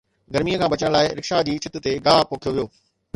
گرميءَ کان بچڻ لاءِ رڪشا جي ڇت تي گاهه پوکيو ويو